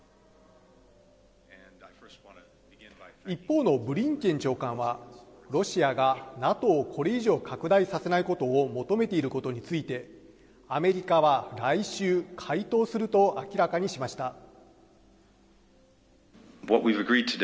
一方のブリンケン長官は、ロシアがＮＡＴＯをこれ以上拡大させないことを求めていることについて、アメリカは来週、回答すると明らかにしました。